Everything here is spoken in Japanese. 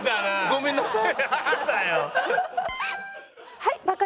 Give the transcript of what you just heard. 「ごめんなさい」。